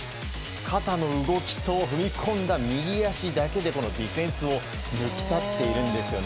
肩の動きと踏み込んだ右足だけでディフェンスを抜き去っているんですよね。